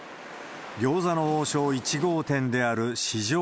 餃子の王将１号店である四条